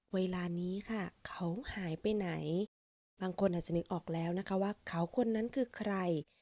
เวลานี้ค่ะเขาหายไปไหนบางคนอาจจะนึกออกแล้วนะคะว่าเขาคนนั้นคือใคร